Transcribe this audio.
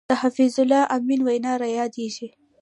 د حفیظ الله امین وینا را یادېږي.